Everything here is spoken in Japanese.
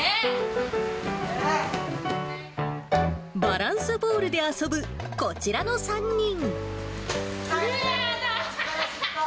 バランスボールで遊ぶこちらの３人。